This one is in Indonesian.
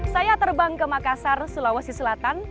saya terbang ke makassar sulawesi selatan